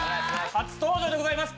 初登場でございます。